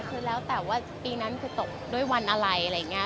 คือแล้วแต่ว่าปีนั้นคือตกด้วยวันอะไรอะไรอย่างนี้